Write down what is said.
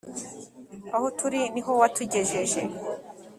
aho turi niho watugejeje,